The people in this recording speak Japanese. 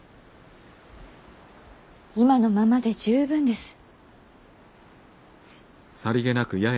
今のままで十分です。